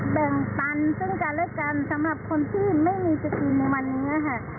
แบ่งปันซึ่งกันและกันสำหรับคนที่ไม่มีสกินในวันนี้ค่ะ